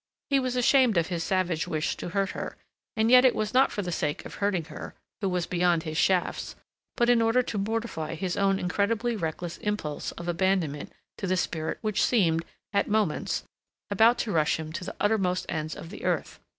He was ashamed of his savage wish to hurt her, and yet it was not for the sake of hurting her, who was beyond his shafts, but in order to mortify his own incredibly reckless impulse of abandonment to the spirit which seemed, at moments, about to rush him to the uttermost ends of the earth.